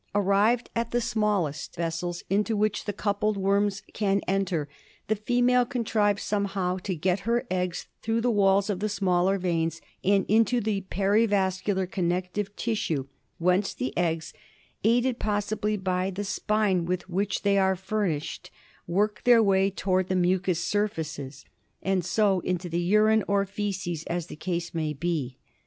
Arrived at the smallest c Sihtslosomum hirmatol Eind Female. (A/li tffe BILHAEZIOSIS. 53 vessels into which the coupled worms can enter, the female contrives somehow to get her eggs through the walls of the smaller veins and into the perivascular connective tissue, whence the eggs, aided possibly by the spine with which they are furnished, work their way towards the mucous surfaces, and so into the urine or faeces, as the case may be.